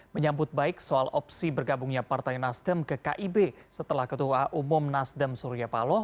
menyambut baik soal opsi bergabungnya partai nasdem ke kib setelah ketua umum nasdem surya paloh